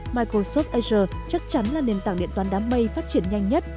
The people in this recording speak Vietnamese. microsoft azer chắc chắn là nền tảng điện toán đám mây phát triển nhanh nhất